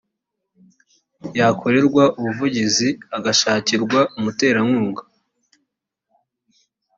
yakorerwa ubuvugizi agashakirwa umuterankunga